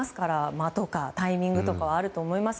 間とかタイミングとかあると思います。